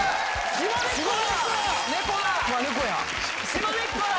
しまねっこだ！